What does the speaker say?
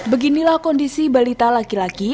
beginilah kondisi balita laki laki